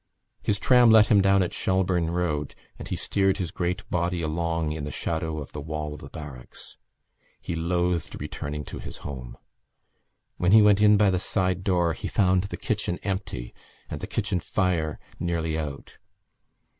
His tram let him down at Shelbourne Road and he steered his great body along in the shadow of the wall of the barracks. He loathed returning to his home. When he went in by the side door he found the kitchen empty and the kitchen fire nearly out.